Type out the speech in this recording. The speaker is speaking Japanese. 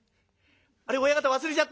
あれ親方忘れちゃったんですか？」。